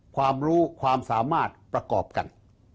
ความรู้ความสามารถประกอบกัน